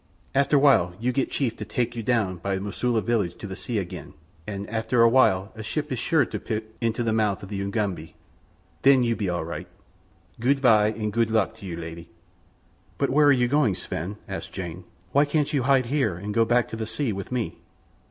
"After while you get chief to tak you down by the Mosula village at the sea again, an' after a while a ship is sure to put into the mouth of the Ugambi. Then you be all right. Gude by an' gude luck to you, lady!" "But where are you going, Sven?" asked Jane. "Why can't you hide here and go back to the sea with me?"